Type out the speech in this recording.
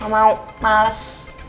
gak mau males